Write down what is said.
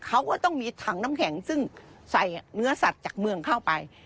เขาก็ต้องมีถังน้ำแข็งซึ่งใส่เนื้อสัตว์จากเมืองเข้าไป